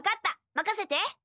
まかせて！